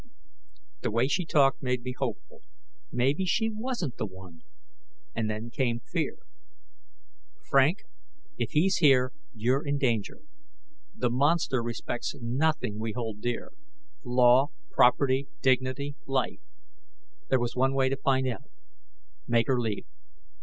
The way she talked made me hopeful. Maybe she wasn't the one ... and then came fear. Frank, if he's here, you're in danger. The monster respects nothing we hold dear law, property, dignity, life. There was one way to find out: make her leave.